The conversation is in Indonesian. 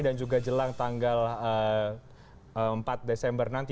dan juga jelang tanggal empat desember nanti